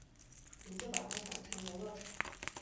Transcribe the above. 你就把他想成游乐场